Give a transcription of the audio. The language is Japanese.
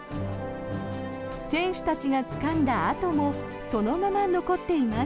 選手たちがつかんだ跡もそのまま残っています。